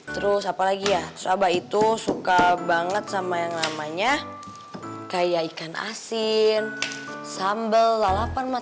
terus apa lagi ya terus abah itu suka banget sama yang namanya kayak ikan asin sambal lalapan mas